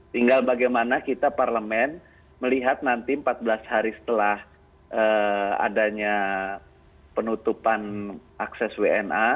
tinggal bagaimana kita parlemen melihat nanti empat belas hari setelah adanya penutupan akses wna